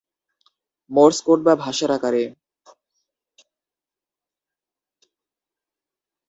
Mars code বা ভাষার আকারে।